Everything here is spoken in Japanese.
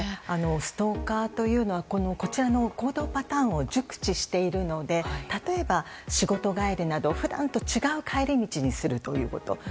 ストーカーというのはこちらの行動パターンを熟知しているので例えば仕事帰りなど普段と違う帰り道にするということ。